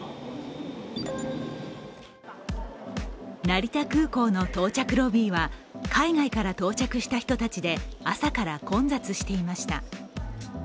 成田空港の到着ロビーは海外から到着した人たちで朝から混雑していました。